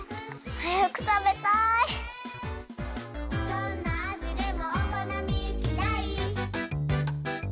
「どんな味でもお好みしだい」